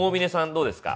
どうですか？